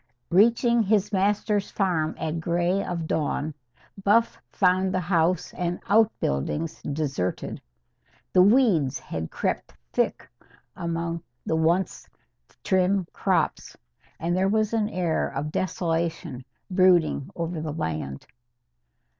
Reaching his master's farm at grey of dawn, Buff found the house and outbuildings deserted. The weeds had crept thick among the once trim crops, and there was an air of desolation brooding over the land.